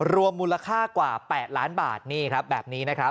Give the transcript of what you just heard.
รวมมูลค่ากว่า๘ล้านบาทนี่ครับแบบนี้นะครับ